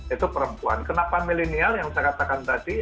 itu perempuan kenapa milenial yang saya katakan tadi